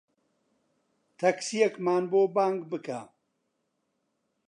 تەکسییەکمان بۆ بانگ بکە.